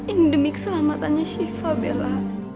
ini demi keselamatannya syifa bella